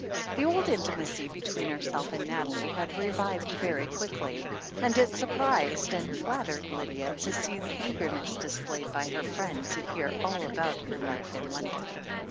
The old intimacy between herself and Nathalie had revived very quickly, and it surprised and flattered Lydia to see the eagerness displayed by her friend to hear all about her life in London.